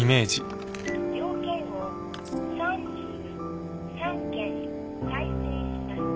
用件を３３件再生します